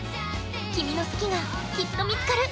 君の好きが、きっと見つかる。